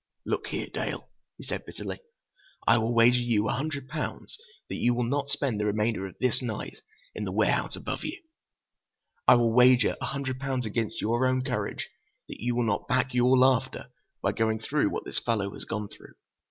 "Look here, Dale," he said bitterly, "I will wager you a hundred pounds that you will not spend the remainder of this night in the warehouse above you! I will wager a hundred pounds against your own courage that you will not back your laughter by going through what this fellow has gone through.